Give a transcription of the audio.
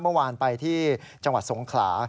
เมื่อวานไปที่จังหวัดสงขลา